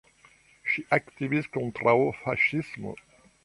Ŝi aktivis kontraŭ faŝismo.